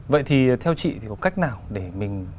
vậy thì theo chị thì có cách nào để mình